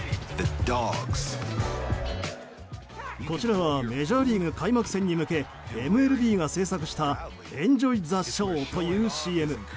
こちらはメジャーリーグ開幕戦に向けＭＬＢが制作した「エンジョイ・ザ・ショー」というＣＭ。